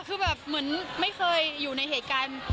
คือแบบเหมือนไม่เคยอยู่ในเหตุการณ์